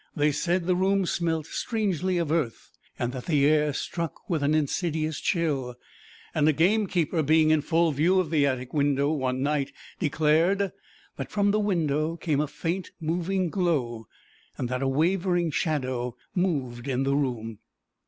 They said the room smelt strangely of earth, and that the air struck with an insidious chill: and a gamekeeper being in full view of the attic window one night declared that from the window came a faint moving glow, and that a wavering shadow moved in the room.